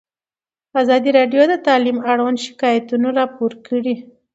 ازادي راډیو د تعلیم اړوند شکایتونه راپور کړي.